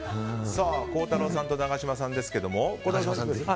孝太郎さんと永島さんですが。